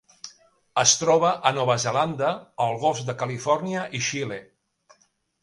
Es troba a Nova Zelanda, el Golf de Califòrnia i Xile.